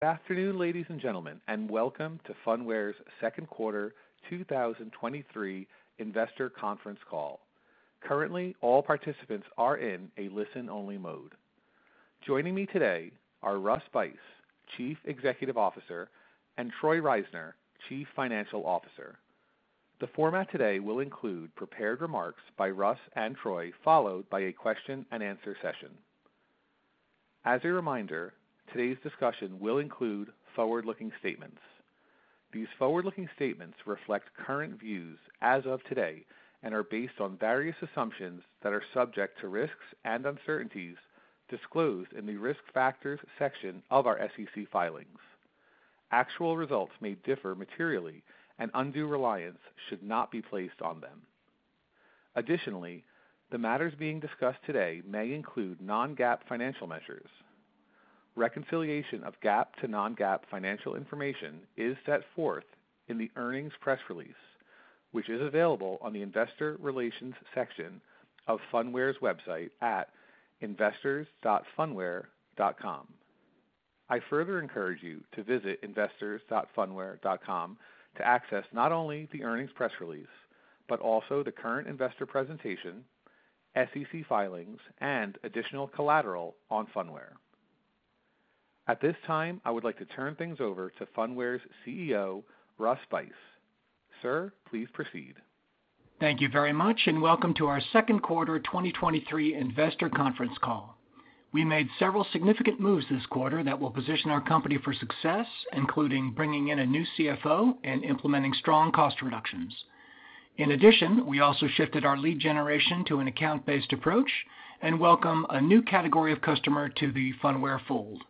Good afternoon, ladies and gentlemen, and welcome to Phunware's second quarter 2023 investor conference call. Currently, all participants are in a listen-only mode. Joining me today are Russ Buyse, Chief Executive Officer, and Troy Reisner, Chief Financial Officer. The format today will include prepared remarks by Russ and Troy, followed by a question and answer session. As a reminder, today's discussion will include forward-looking statements. These forward-looking statements reflect current views as of today and are based on various assumptions that are subject to risks and uncertainties disclosed in the Risk Factors section of our SEC filings. Actual results may differ materially, and undue reliance should not be placed on them. Additionally, the matters being discussed today may include non-GAAP financial measures. Reconciliation of GAAP to non-GAAP financial information is set forth in the earnings press release, which is available on the Investor Relations section of Phunware's website at investors.phunware.com. I further encourage you to visit investors.phunware.com to access not only the earnings press release, but also the current investor presentation, SEC filings, and additional collateral on Phunware. At this time, I would like to turn things over to Phunware's CEO, Russ Buyse. Sir, please proceed. Thank you very much, and welcome to our second quarter 2023 investor conference call. We made several significant moves this quarter that will position our company for success, including bringing in a new CFO and implementing strong cost reductions. In addition, we also shifted our lead generation to an account-based approach and welcome a new category of customer to the Phunware fold.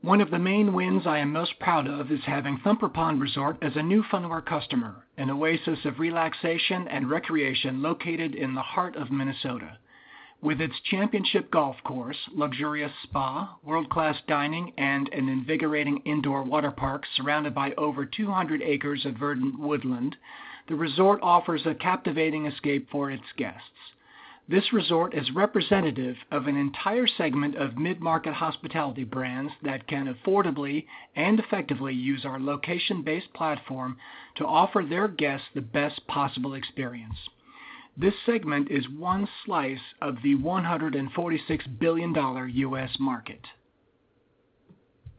One of the main wins I am most proud of is having Thumper Pond Resort as a new Phunware customer, an oasis of relaxation and recreation located in the heart of Minnesota. With its championship golf course, luxurious spa, world-class dining, and an invigorating indoor water park surrounded by over 200 acres of verdant woodland, the resort offers a captivating escape for its guests. This resort is representative of an entire segment of mid-market hospitality brands that can affordably and effectively use our location-based platform to offer their guests the best possible experience. This segment is one slice of the $146 billion US market.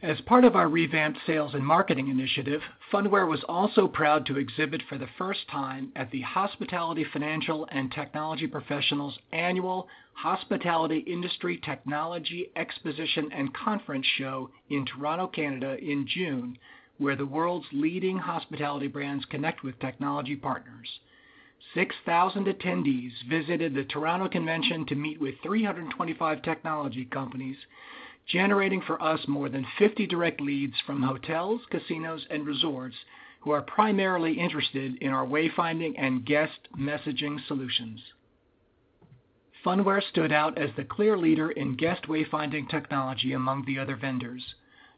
As part of our revamped sales and marketing initiative, Phunware was also proud to exhibit for the first time at the Hospitality Financial and Technology Professionals annual Hospitality Industry Technology Exposition and Conference Show in Toronto, Canada, in June, where the world's leading hospitality brands connect with technology partners. 6,000 attendees visited the Toronto convention to meet with 325 technology companies, generating for us more than 50 direct leads from hotels, casinos, and resorts, who are primarily interested in our wayfinding and guest messaging solutions. Phunware stood out as the clear leader in guest wayfinding technology among the other vendors.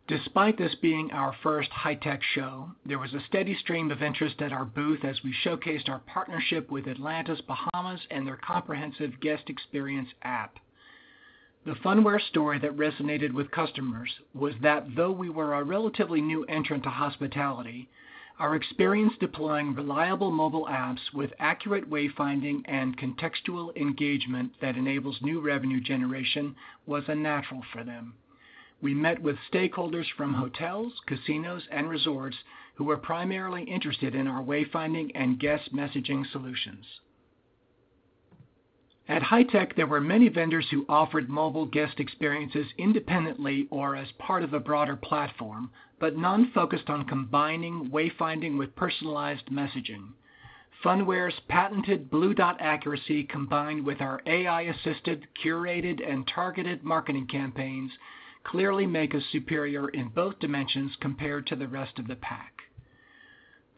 Despite this being our first high-tech show, there was a steady stream of interest at our booth as we showcased our partnership with Atlantis, Bahamas, and their comprehensive guest experience app. The Phunware story that resonated with customers was that though we were a relatively new entrant to hospitality, our experience deploying reliable mobile apps with accurate wayfinding and contextual engagement that enables new revenue generation was a natural for them. We met with stakeholders from hotels, casinos, and resorts who were primarily interested in our wayfinding and guest messaging solutions. At HITEC, there were many vendors who offered mobile guest experiences independently or as part of a broader platform, but none focused on combining wayfinding with personalized messaging. Phunware's patented Blue Dot accuracy, combined with our AI-assisted, curated, and targeted marketing campaigns, clearly make us superior in both dimensions compared to the rest of the pack.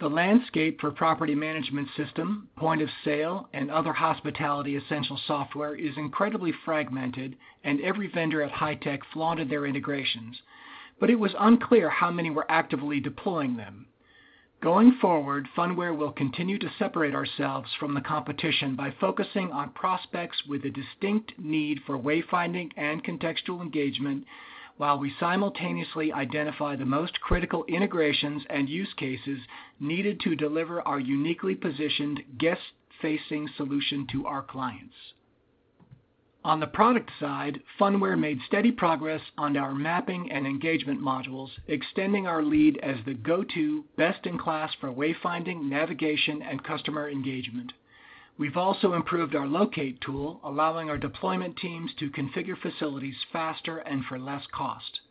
The landscape for property management system, point of sale, and other hospitality essential software is incredibly fragmented, and every vendor at HITEC flaunted their integrations, but it was unclear how many were actively deploying them. Going forward, Phunware will continue to separate ourselves from the competition by focusing on prospects with a distinct need for wayfinding and contextual engagement, while we simultaneously identify the most critical integrations and use cases needed to deliver our uniquely positioned guest-facing solution to our clients. On the product side, Phunware made steady progress on our mapping and engagement modules, extending our lead as the go-to best in class for wayfinding, navigation, and customer engagement. We've also improved our locate tool, allowing our deployment teams to configure facilities faster and for less cost.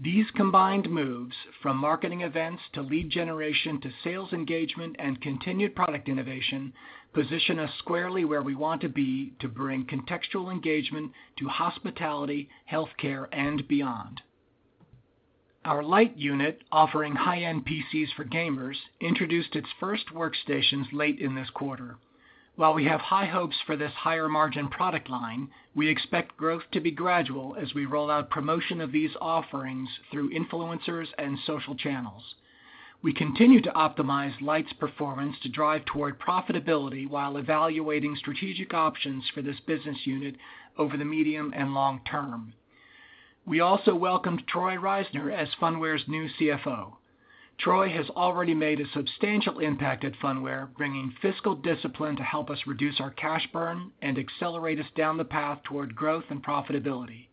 These combined moves, from marketing events to lead generation, to sales engagement and continued product innovation, position us squarely where we want to be to bring contextual engagement to hospitality, healthcare, and beyond. Our Lyte unit, offering high-end PCs for gamers, introduced its first workstations late in this quarter. While we have high hopes for this higher-margin product line, we expect growth to be gradual as we roll out promotion of these offerings through influencers and social channels.... We continue to optimize Lyte's performance to drive toward profitability, while evaluating strategic options for this business unit over the medium and long term. We also welcomed Troy Reisner as Phunware's new CFO. Troy has already made a substantial impact at Phunware, bringing fiscal discipline to help us reduce our cash burn and accelerate us down the path toward growth and profitability.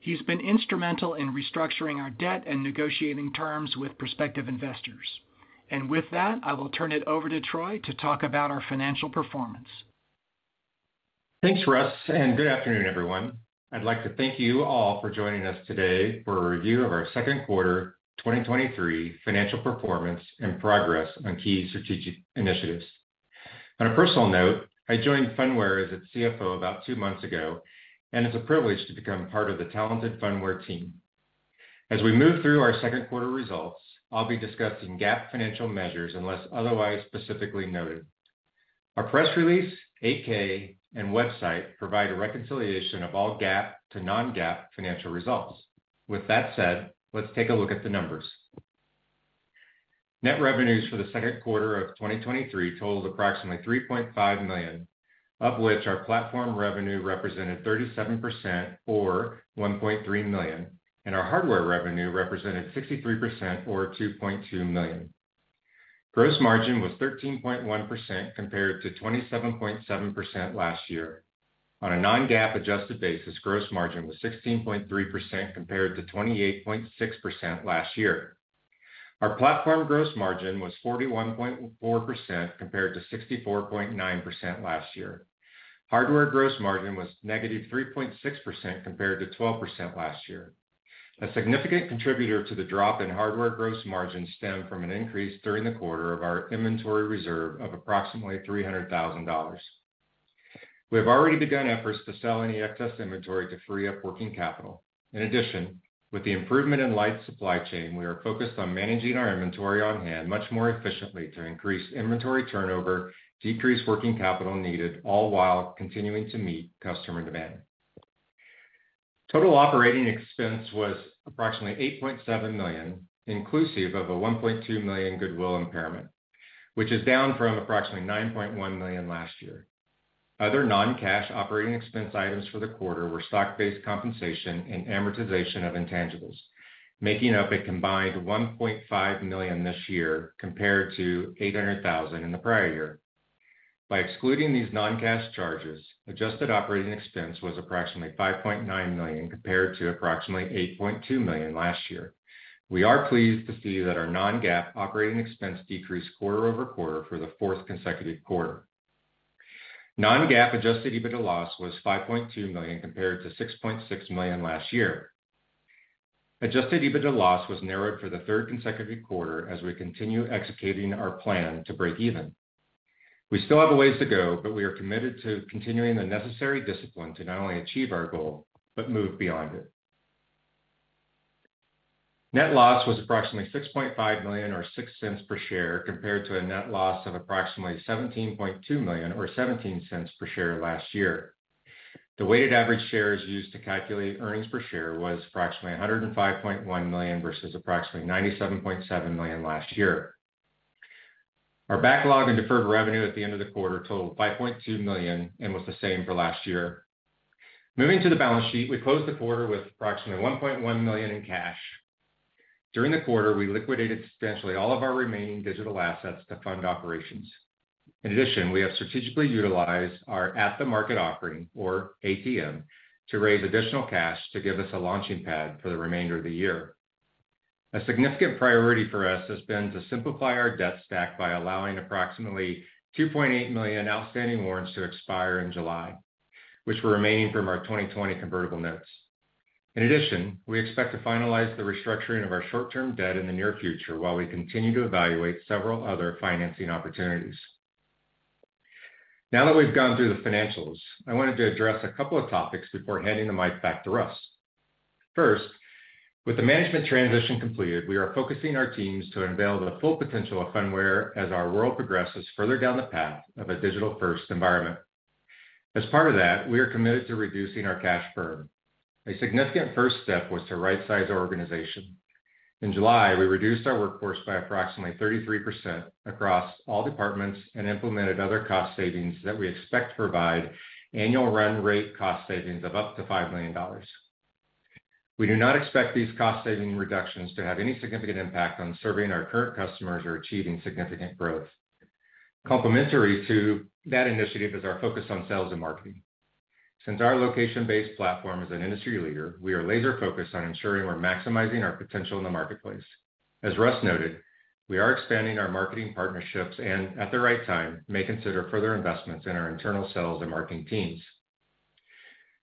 He's been instrumental in restructuring our debt and negotiating terms with prospective investors. With that, I will turn it over to Troy to talk about our financial performance. Thanks, Russ. Good afternoon, everyone. I'd like to thank you all for joining us today for a review of our second quarter 2023 financial performance and progress on key strategic initiatives. On a personal note, I joined Phunware as its CFO about 2 months ago. It's a privilege to become part of the talented Phunware team. As we move through our second quarter results, I'll be discussing GAAP financial measures, unless otherwise specifically noted. Our press release, 8-K, and website provide a reconciliation of all GAAP to non-GAAP financial results. With that said, let's take a look at the numbers. Net revenues for the second quarter of 2023 totaled approximately $3.5 million, of which our platform revenue represented 37%, or $1.3 million, and our hardware revenue represented 63%, or $2.2 million. Gross margin was 13.1% compared to 27.7% last year. On a non-GAAP adjusted basis, gross margin was 16.3% compared to 28.6% last year. Our platform gross margin was 41.4% compared to 64.9% last year. Hardware gross margin was -3.6% compared to 12% last year. A significant contributor to the drop in hardware gross margin stemmed from an increase during the quarter of our inventory reserve of approximately $300,000. We have already begun efforts to sell any excess inventory to free up working capital. In addition, with the improvement in Lyte's supply chain, we are focused on managing our inventory on hand much more efficiently to increase inventory turnover, decrease working capital needed, all while continuing to meet customer demand. Total operating expense was approximately $8.7 million, inclusive of a $1.2 million goodwill impairment, which is down from approximately $9.1 million last year. Other non-cash operating expense items for the quarter were stock-based compensation and amortization of intangibles, making up a combined $1.5 million this year, compared to $800,000 in the prior year. By excluding these non-cash charges, adjusted operating expense was approximately $5.9 million, compared to approximately $8.2 million last year. We are pleased to see that our non-GAAP operating expense decreased quarter-over-quarter for the fourth consecutive quarter. Non-GAAP adjusted EBITDA loss was $5.2 million, compared to $6.6 million last year. Adjusted EBITDA loss was narrowed for the third consecutive quarter as we continue executing our plan to break even. We still have a ways to go, but we are committed to continuing the necessary discipline to not only achieve our goal, but move beyond it. Net loss was approximately $6.5 million, or $0.06 per share, compared to a net loss of approximately $17.2 million, or $0.17 per share last year. The weighted average shares used to calculate earnings per share was approximately 105.1 million versus approximately 97.7 million last year. Our backlog in deferred revenue at the end of the quarter totaled $5.2 million and was the same for last year. Moving to the balance sheet, we closed the quarter with approximately $1.1 million in cash. During the quarter, we liquidated substantially all of our remaining digital assets to fund operations. In addition, we have strategically utilized our at-the-market offering, or ATM, to raise additional cash to give us a launching pad for the remainder of the year. A significant priority for us has been to simplify our debt stack by allowing approximately $2.8 million outstanding warrants to expire in July, which were remaining from our 2020 convertible notes. In addition, we expect to finalize the restructuring of our short-term debt in the near future while we continue to evaluate several other financing opportunities. Now that we've gone through the financials, I wanted to address a couple of topics before handing the mic back to Russ. First, with the management transition completed, we are focusing our teams to unveil the full potential of Phunware as our world progresses further down the path of a digital-first environment. As part of that, we are committed to reducing our cash burn. A significant first step was to rightsize our organization. In July, we reduced our workforce by approximately 33% across all departments and implemented other cost savings that we expect to provide annual run rate cost savings of up to $5 million. We do not expect these cost-saving reductions to have any significant impact on serving our current customers or achieving significant growth. Complementary to that initiative is our focus on sales and marketing. Since our location-based platform is an industry leader, we are laser-focused on ensuring we're maximizing our potential in the marketplace. As Russ noted, we are expanding our marketing partnerships and, at the right time, may consider further investments in our internal sales and marketing teams.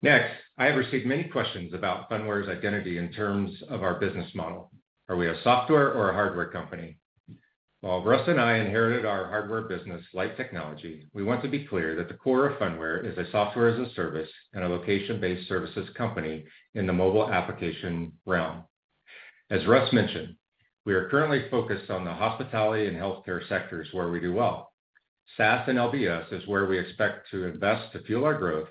Next, I have received many questions about Phunware's identity in terms of our business model. Are we a software or a hardware company? While Russ and I inherited our hardware business, Lyte Technology, we want to be clear that the core of Phunware is a software as a service and a location-based services company in the mobile application realm. As Russ mentioned, we are currently focused on the hospitality and healthcare sectors where we do well. SaaS and LBS is where we expect to invest to fuel our growth,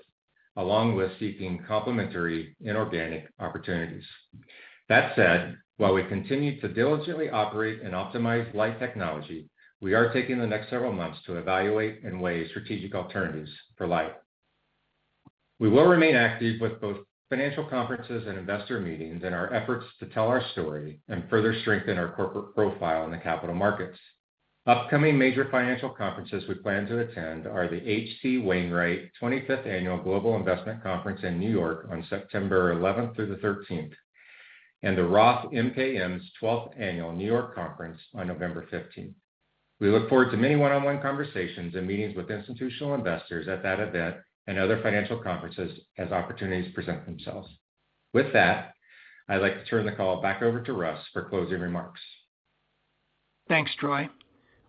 along with seeking complementary inorganic opportunities. That said, while we continue to diligently operate and optimize Lyte Technology, we are taking the next several months to evaluate and weigh strategic alternatives for Lyte. We will remain active with both financial conferences and investor meetings in our efforts to tell our story and further strengthen our corporate profile in the capital markets. Upcoming major financial conferences we plan to attend are the H.C. Wainwright 25th Annual Global Investment Conference in New York on September 11th through the 13th, and the Roth MKM's 12th Annual New York Conference on November 15th. We look forward to many one-on-one conversations and meetings with institutional investors at that event and other financial conferences as opportunities present themselves. With that, I'd like to turn the call back over to Russ for closing remarks. Thanks, Troy.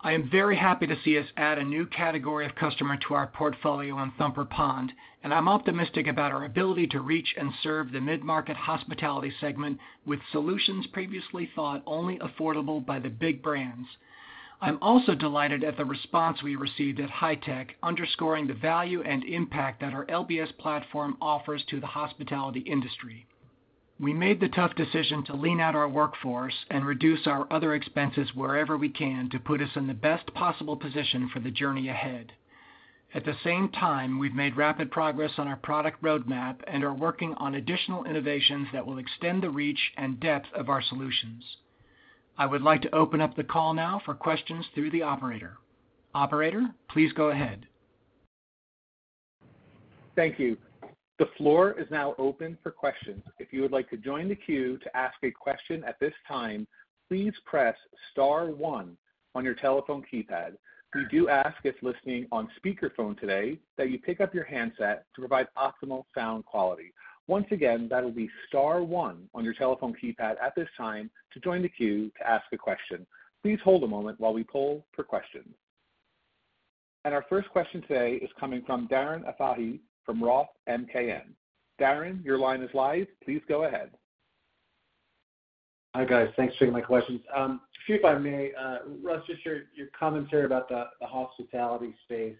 I am very happy to see us add a new category of customer to our portfolio on Thumper Pond, and I'm optimistic about our ability to reach and serve the mid-market hospitality segment with solutions previously thought only affordable by the big brands. I'm also delighted at the response we received at HITEC, underscoring the value and impact that our LBS platform offers to the hospitality industry. We made the tough decision to lean out our workforce and reduce our other expenses wherever we can to put us in the best possible position for the journey ahead. At the same time, we've made rapid progress on our product roadmap and are working on additional innovations that will extend the reach and depth of our solutions. I would like to open up the call now for questions through the operator. Operator, please go ahead. Thank you. The floor is now open for questions. If you would like to join the queue to ask a question at this time, please press star one on your telephone keypad. We do ask, if listening on speakerphone today, that you pick up your handset to provide optimal sound quality. Once again, that'll be star one on your telephone keypad at this time to join the queue to ask a question. Please hold a moment while we poll for questions. Our first question today is coming from Darren Aftahi from Roth MKM. Darren, your line is live. Please go ahead. Hi, guys. Thanks for taking my questions. If I may, Russ, just your, your commentary about the, the hospitality space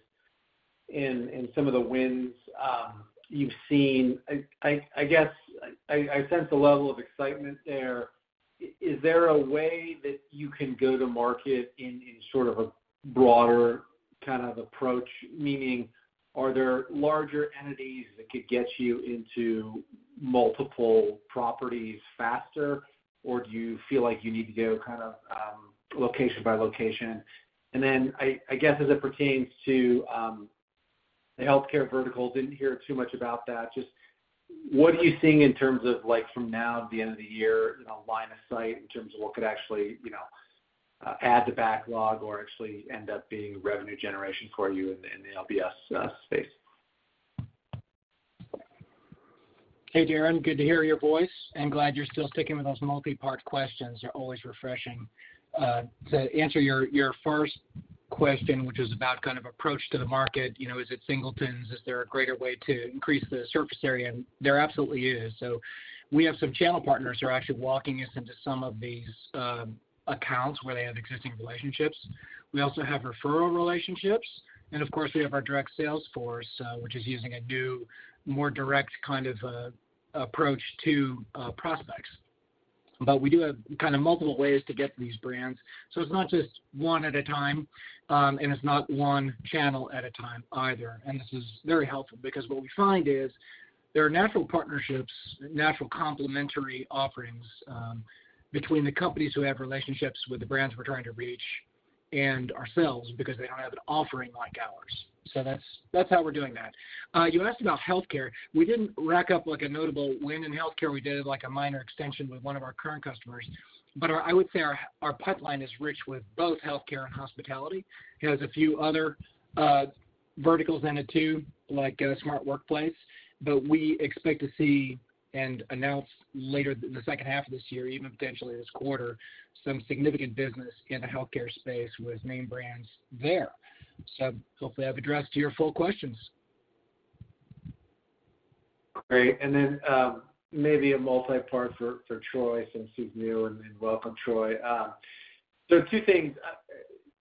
and, and some of the wins, you've seen, I, I, I guess I, I sense a level of excitement there. Is there a way that you can go to market in, in sort of a broader kind of approach? Meaning, are there larger entities that could get you into multiple properties faster, or do you feel like you need to go kind of, location by location? I, I guess as it pertains to, the healthcare vertical, didn't hear too much about that. Just what are you seeing in terms of, like, from now to the end of the year, you know, line of sight in terms of what could actually, you know, add to backlog or actually end up being revenue generation for you in the, in the LBS space? Hey, Darren, good to hear your voice, and glad you're still sticking with those multi-part questions. They're always refreshing. To answer your, your first question, which is about kind of approach to the market, you know, is it singletons? Is there a greater way to increase the surface area? There absolutely is. We have some channel partners who are actually walking us into some of these accounts where they have existing relationships. We also have referral relationships, and of course, we have our direct sales force, which is using a new, more direct kind of approach to prospects. We do have kind of multiple ways to get these brands, so it's not just one at a time, and it's not one channel at a time either. This is very helpful because what we find is there are natural partnerships, natural complementary offerings, between the companies who have relationships with the brands we're trying to reach and ourselves, because they don't have an offering like ours. That's, that's how we're doing that. You asked about healthcare. We didn't rack up, like, a notable win in healthcare. We did, like, a minor extension with one of our current customers. I would say our, our pipeline is rich with both healthcare and hospitality. There's a few other verticals in it too, like smart workplace, but we expect to see and announce later the second half of this year, even potentially this quarter, some significant business in the healthcare space with main brands there. Hopefully, I've addressed your full questions. Great. Maybe a multi-part for Troy, since he's new, and welcome, Troy. Two things.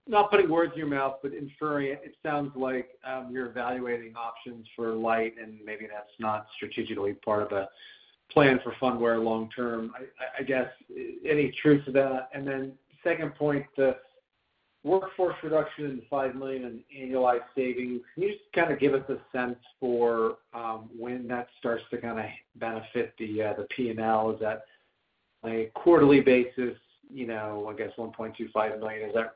Not putting words in your mouth, but inferring, it sounds like you're evaluating options for Lyte, and maybe that's not strategically part of a plan for Phunware long term. I, I, I guess, any truth to that? Second point, the workforce reduction, $5 million in annualized savings, can you just kind of give us a sense for when that starts to kind of benefit the PNL? Is that a quarterly basis, you know, I guess $1.25 million, is that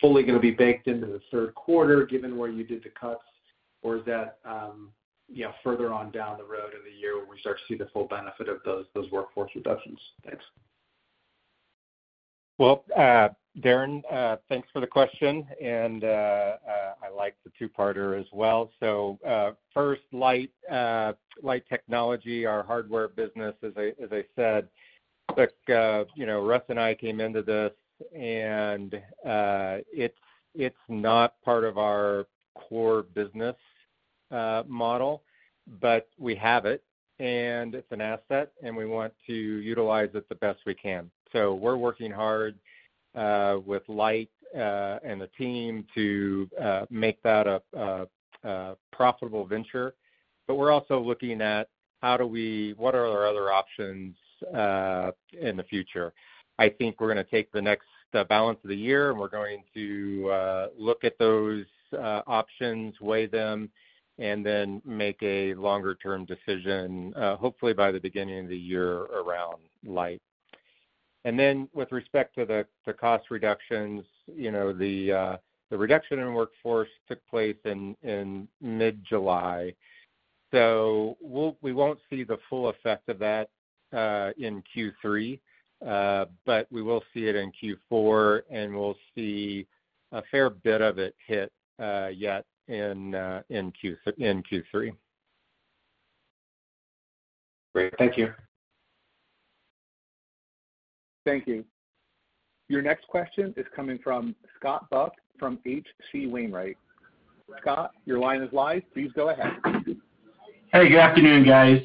fully gonna be baked into the third quarter, given where you did the cuts? Is that, you know, further on down the road in the year, we start to see the full benefit of those, those workforce reductions? Thanks. Well, Darren, thanks for the question, and I like the two-parter as well. First, Lyte, Lyte Technology, our hardware business, as I, as I said, look, you know, Russ and I came into this, and it's, it's not part of our core business.... model, but we have it, and it's an asset, and we want to utilize it the best we can. We're working hard with Lyte and the team to make that a, a, a profitable venture. We're also looking at how do we-- what are our other options in the future? I think we're gonna take the next balance of the year, and we're going to look at those options, weigh them, and then make a longer-term decision, hopefully, by the beginning of the year around Lyte. Then, with respect to the, the cost reductions, you know, the, the reduction in workforce took place in, in mid-July. So we'll-- we won't see the full effect of that in Q3, but we will see it in Q4, and we'll see a fair bit of it hit yet in Q3. Great. Thank you. Thank you. Your next question is coming from Scott Buck from H.C. Wainwright. Scott, your line is live. Please go ahead. Hey, good afternoon, guys.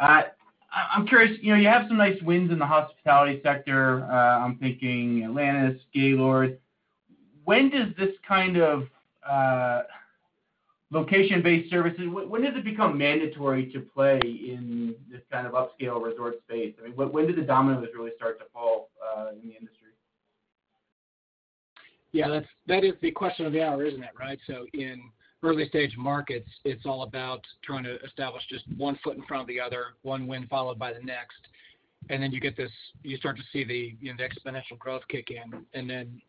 I'm curious, you know, you have some nice wins in the hospitality sector. I'm thinking Atlantis, Gaylord. When does this kind of location-based services, when does it become mandatory to play in this kind of upscale resort space? I mean, when, when do the dominoes really start to fall in the industry? Yeah, that's, that is the question of the hour, isn't it, right? In early-stage markets, it's all about trying to establish just one foot in front of the other, one win followed by the next. Then you start to see the, you know, the exponential growth kick in, and then,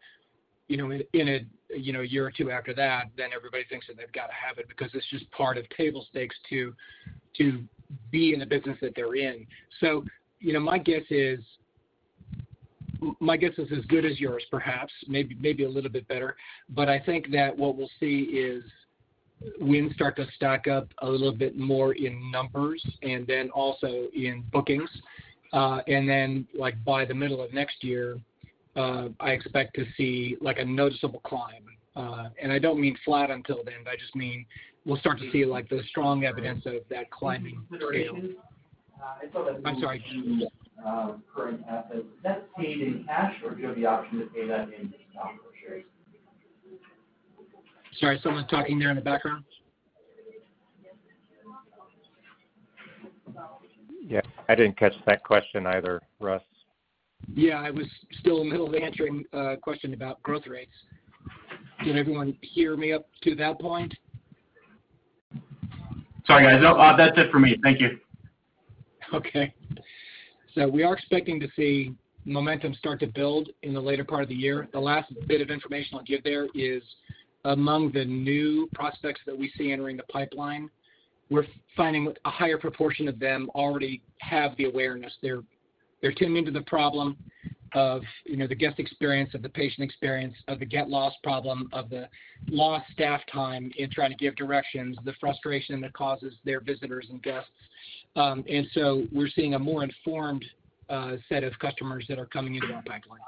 you know, in, in a, you know, a year or two after that, then everybody thinks that they've got to have it because it's just part of table stakes to, to be in the business that they're in. You know, my guess is, my guess is as good as yours, perhaps, maybe, maybe a little bit better, but I think that what we'll see is wins start to stack up a little bit more in numbers and then also in bookings. Then, by the middle of next year, I expect to see a noticeable climb. I don't mean flat until then, but I just mean we'll start to see the strong evidence of that climbing. I'm sorry. Current assets, is that paid in cash, or do you have the option to pay that in stock or shares? Sorry, someone's talking there in the background? I didn't catch that question either, Russ. I was still in the middle of answering a question about growth rates. Did everyone hear me up to that point? Sorry, guys. No, that's it for me. Thank you. We are expecting to see momentum start to build in the later part of the year. The last bit of information I'll give there is, among the new prospects that we see entering the pipeline, we're finding a higher proportion of them already have the awareness. They're tuned into the problem of, you know, the guest experience, of the patient experience, of the get lost problem, of the lost staff time in trying to give directions, the frustration that causes their visitors and guests. We're seeing a more informed set of customers that are coming into our pipeline.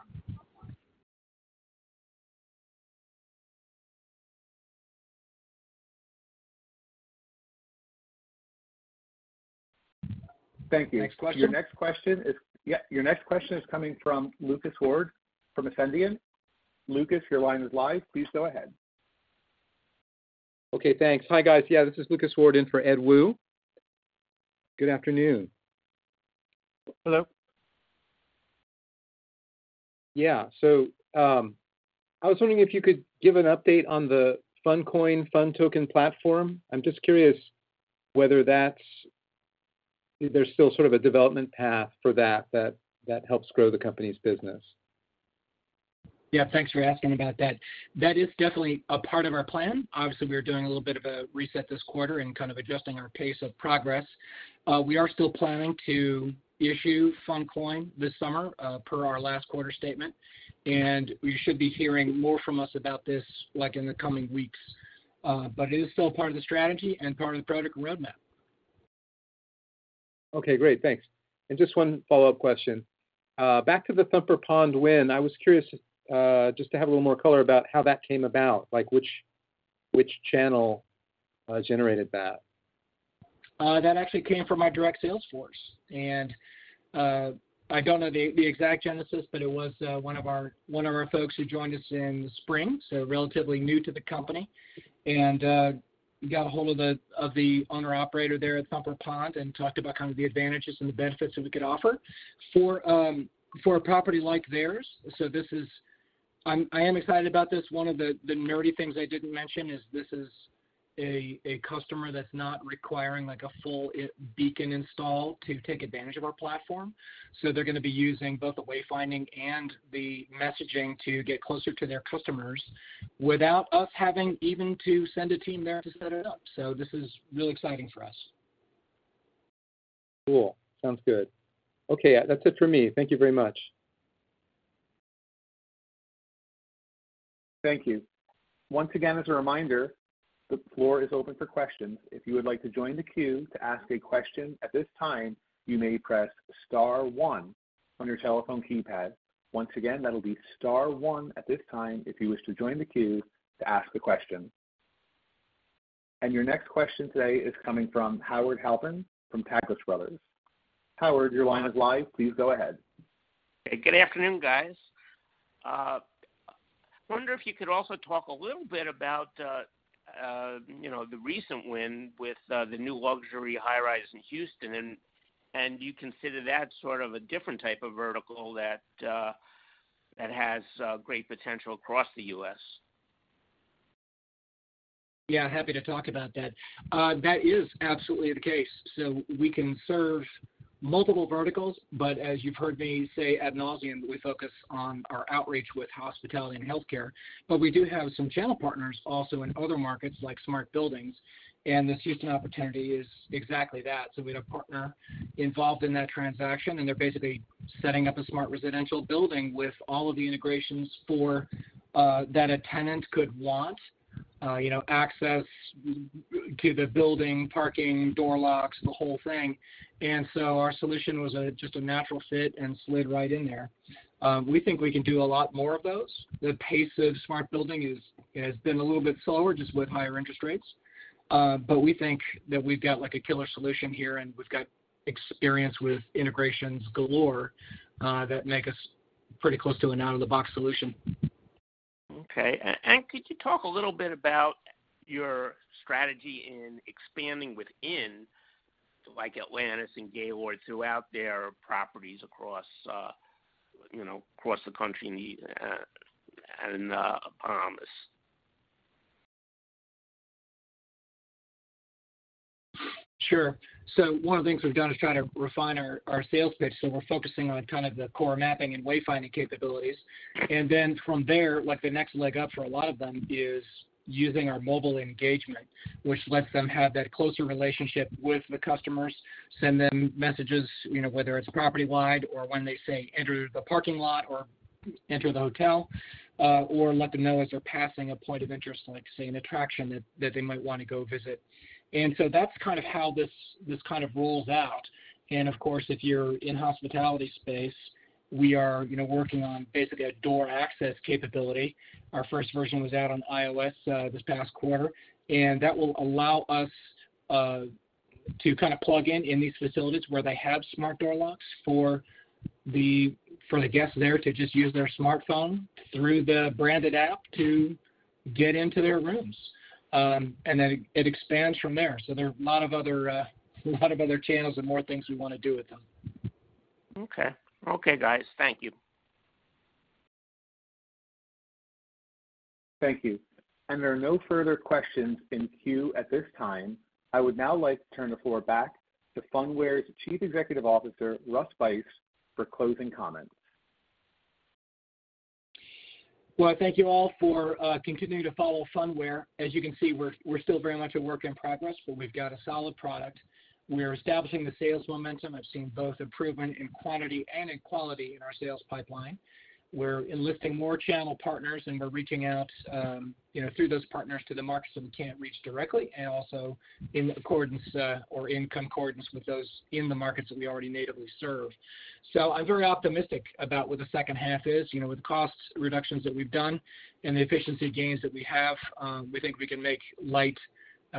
Thank you. Next question. Your next question is... Yeah, your next question is coming from Lucas Ward from Ascendiant. Lucas, your line is live. Please go ahead. Okay, thanks. Hi, guys. Yeah, this is Lucas Ward in for Edward Woo. Good afternoon. Hello. Yeah. I was wondering if you could give an update on the PhunCoin, PhunToken platform. I'm just curious whether that's, there's still sort of a development path for that, that, that helps grow the company's business. Yeah, thanks for asking about that. That is definitely a part of our plan. Obviously, we are doing a little bit of a reset this quarter and kind of adjusting our pace of progress. We are still planning to issue PhunCoin this summer, per our last quarter statement, and you should be hearing more from us about this, in the coming weeks. It is still part of the strategy and part of the product roadmap. Okay, great. Thanks. Just one follow-up question. Back to the Thumper Pond win, I was curious, just to have a little more color about how that came about, like, which, which channel, generated that? That actually came from our direct sales force. I don't know the exact genesis, but it was one of our, one of our folks who joined us in the spring, so relatively new to the company, and got a hold of the owner-operator there at Thumper Pond and talked about kind of the advantages and the benefits that we could offer. For a property like theirs, so this is. I am excited about this. One of the nerdy things I didn't mention is this is a customer that's not requiring, like, a full beacon install to take advantage of our platform, so they're gonna be using both the wayfinding and the messaging to get closer to their customers without us having even to send a team there to set it up. This is really exciting for us. Cool. Sounds good. Okay, that's it for me. Thank you very much. Thank you. Once again, as a reminder, the floor is open for questions. If you would like to join the queue to ask a question at this time, you may press star one on your telephone keypad. Once again, that'll be star one at this time, if you wish to join the queue to ask a question. Your next question today is coming from Howard Halpern from Taglich Brothers. Howard, your line is live. Please go ahead. Good afternoon, guys. I wonder if you could also talk a little bit about, you know, the recent win with the new luxury high rise in Houston, and you consider that sort of a different type of vertical that has great potential across the US? Yeah, happy to talk about that. That is absolutely the case. We can serve multiple verticals, but as you've heard me say ad nauseam, we focus on our outreach with hospitality and healthcare. We do have some channel partners also in other markets, like smart buildings, and the Houston opportunity is exactly that. We had a partner involved in that transaction, and they're basically setting up a smart residential building with all of the integrations for that a tenant could want. You know, access to the building, parking, door locks, the whole thing. Our solution was just a natural fit and slid right in there. We think we can do a lot more of those. The pace of smart building has been a little bit slower, just with higher interest rates. We think that we've got, like, a killer solution here, and we've got experience with integrations galore, that make us pretty close to an out-of-the-box solution. Okay. And could you talk a little bit about your strategy in expanding within, like, Atlantis and Gaylord throughout their properties across, you know, across the country? Sure. One of the things we've done is try to refine our, our sales pitch. We're focusing on kind of the core mapping and wayfinding capabilities. Then from there, like, the next leg up for a lot of them is using our mobile engagement, which lets them have that closer relationship with the customers, send them messages, you know, whether it's property-wide or when they say, enter the parking lot or enter the hotel, or let them know as they're passing a point of interest, like, say, an attraction that, that they might wanna go visit. That's kind of how this, this kind of rolls out. Of course, if you're in hospitality space, we are, you know, working on basically a door access capability. Our first version was out on iOS, this past quarter, and that will allow us to kinda plug in in these facilities where they have smart door locks for the guests there to just use their smartphone through the branded app to get into their rooms. Then it, it expands from there. There are a lot of other channels and more things we wanna do with them. Okay. Okay, guys. Thank you. Thank you. There are no further questions in queue at this time. I would now like to turn the floor back to Phunware's Chief Executive Officer, Russ Buyse, for closing comments. Well, thank you all for continuing to follow Phunware. As you can see, we're, we're still very much a work in progress, but we've got a solid product. We're establishing the sales momentum. I've seen both improvement in quantity and in quality in our sales pipeline. We're enlisting more channel partners, and we're reaching out, you know, through those partners to the markets that we can't reach directly, and also in accordance, or in concordance with those in the markets that we already natively serve. I'm very optimistic about what the second half is. You know, with the costs reductions that we've done and the efficiency gains that we have, we think we can make Lyte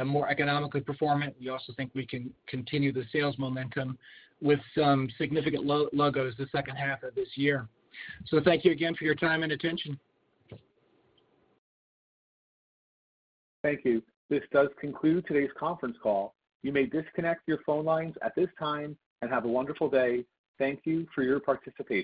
more economically performant. We also think we can continue the sales momentum with some significant logos the second half of this year. Thank you again for your time and attention. Thank you. This does conclude today's conference call. You may disconnect your phone lines at this time and have a wonderful day. Thank you for your participation.